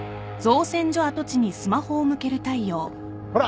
ほら。